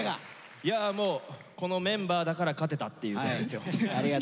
いやもうこのメンバーだから勝てたっていうことですよ。